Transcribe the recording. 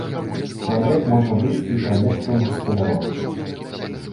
Чалавек можа быць і прамежкавым гаспадаром.